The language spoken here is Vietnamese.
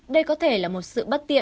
đây có thể là một sự bất tiện